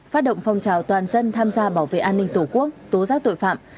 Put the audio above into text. phát động phong trào toàn dân tham gia bảo vệ an ninh tổ quốc tố giác tội phạm